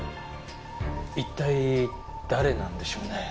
一体誰なんでしょうね？